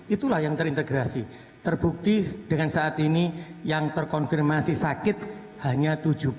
itulah yang terintegrasi terbukti dengan saat ini yang terkonfirmasi sakit hanya tujuh puluh